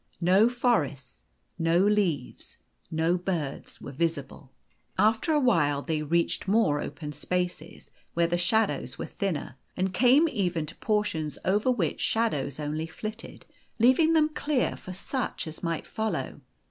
No forests, no leaves, no birds were visible. After a while, they reached more open spaces, where the shadows were thinner; and came even to portions over which shadows only flitted, leaving them clear for such as might follow.